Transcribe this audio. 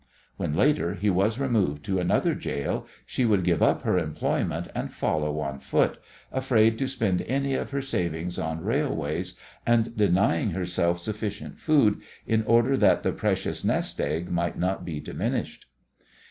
When, later, he was removed to another gaol she would give up her employment and follow on foot, afraid to spend any of her savings on railways, and denying herself sufficient food in order that the precious "nest egg" might not be diminished.